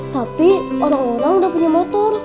tapi orang orang udah punya motor